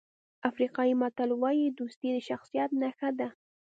افریقایي متل وایي دوستي د شخصیت نښه ده.